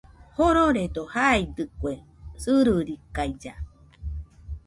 Jororedo jaidɨkue sɨrɨrikailla.